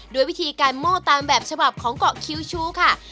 ด้วยวิธีการโม้ตามแบบฉบับของเกาะคิวชู้ค่ะ